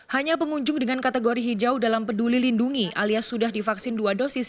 hanya pengunjung dengan kategori hijau dalam peduli lindungi alias sudah divaksin dua dosis